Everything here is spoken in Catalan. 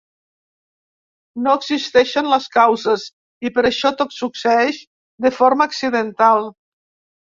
No existeixen les causes, i per això tot succeeix de forma accidental.